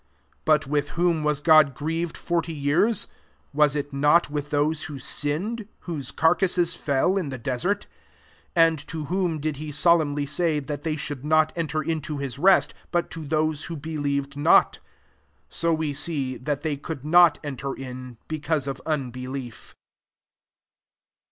17 But with whom was God jrieved forty years ? was it not rith those who sinned, whose ureases fell in the desert ? 18 .\nd to whom did he solemnly lay that they should not enter JBto his rest, but to those who telieved not? 19 So we see, that they could not enter in, because of unbelief.